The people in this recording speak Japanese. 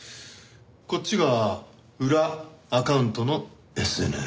こっちが裏アカウントのＳＮＳ。